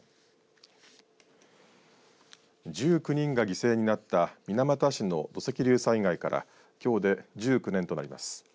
１９人が犠牲になった水俣市の土石流災害からきょうで１９年となります。